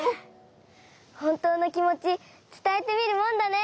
ほんとうのきもちつたえてみるもんだね。